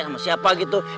sampai siapa gitu